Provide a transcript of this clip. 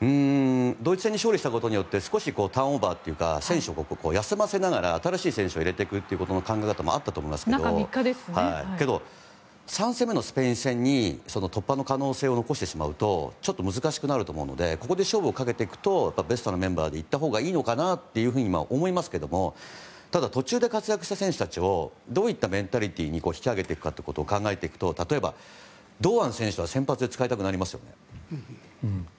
ドイツ戦に勝利したことによって少し、ターンオーバーというか選手を休ませながら新しい選手を入れていくという考え方もあったと思いますけどけど、３戦目のスペイン戦に突破の可能性を残してしまうとちょっと難しくなってしまうのでここで勝負をかけていくとベストなメンバーでいったほうがいいのかなと思いますけどただ、途中で活躍した選手たちをどういったメンタリティーに引き上げていくかを考えていくと例えば堂安選手は先発で使いたくなりますよね。